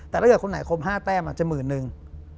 แต่ถ้าเกิดคนไหนครบ๕แต้มจะหมื่นนึง